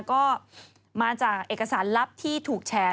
ก็มาจากเอกสารลับที่ถูกแฉ